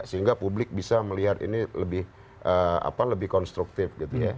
sehingga publik bisa melihat ini lebih konstruktif